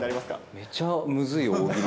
めちゃむずい大喜利。